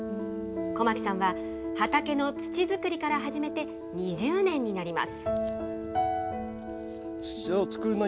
小牧さんは、畑の土作りから始めて２０年になります。